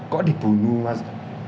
kok dibunuh mas